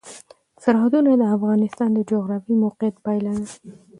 سرحدونه د افغانستان د جغرافیایي موقیعت پایله ده.